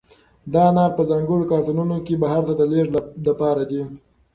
دا انار په ځانګړو کارتنونو کې بهر ته د لېږد لپاره دي.